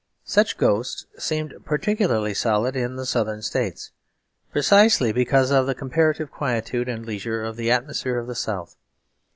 Such ghosts seemed particularly solid in the Southern States, precisely because of the comparative quietude and leisure of the atmosphere of the South.